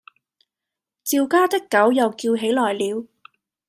趙家的狗又叫起來了。